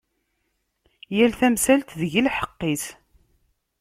Yal tamsalt, deg-i lḥeqq-is.